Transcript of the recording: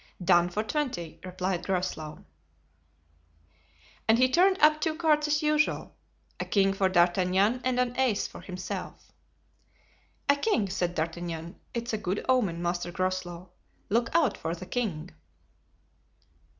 "Done for twenty," replied Groslow. And he turned up two cards as usual, a king for D'Artagnan and an ace for himself. "A king," said D'Artagnan; "it's a good omen, Master Groslow—look out for the king."